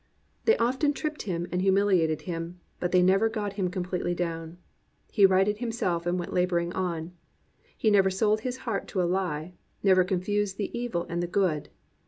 They often tripped him and humiliated him, but they never got him completely down. He righted himself and went lumbering on. He never sold his heart to a He, never confused the evil and the good.